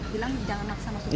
bilang jangan maksa masuk